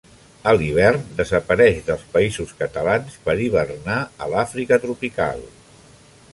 A l'hivern desapareix dels Països Catalans per hivernar a l'Àfrica tropical.